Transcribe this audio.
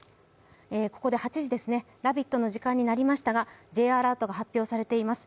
ここで８時ですね、「ラヴィット！」の時間になりましたが、Ｊアラートが発表されています。